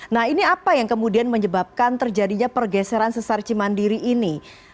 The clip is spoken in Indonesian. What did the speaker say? nah ini apa yang kemudian menyebabkan terjadinya pergeseran sesar cimandiri ini